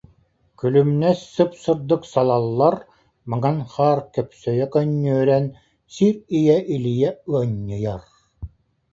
Күлүмнэс сып-сырдык салаллар, Маҥан хаар көпсөйө көнньүөрэн, Сир ийэ илийэ ыанньыйар